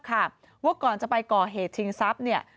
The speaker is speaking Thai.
ว่าก่อนจะไปก่อเหตุชิงทรัพย์เนี่ย